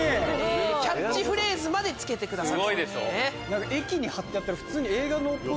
キャッチフレーズまで付けてくださる。